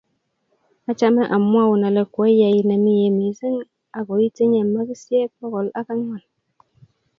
Achame amwoun ale kweyai nemie mising akoitinye makisiek bokol ak angwan